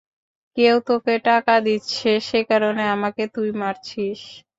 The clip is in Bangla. কেউ তোকে টাকা দিচ্ছে সেকারণে আমাকে তুই মারছিস।